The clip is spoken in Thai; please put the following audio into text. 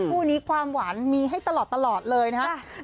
คู่นี้ความหวานมีให้ตลอดเลยนะครับ